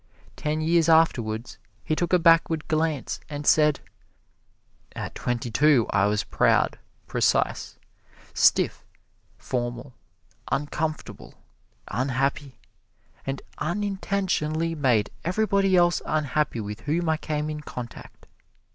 Ten years afterwards he took a backward glance, and said: "At twenty two I was proud, precise, stiff, formal, uncomfortable, unhappy, and unintentionally made everybody else unhappy with whom I came in contact.